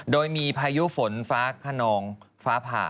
โดยมีพายุฝนฟ้าขนองฟ้าผ่า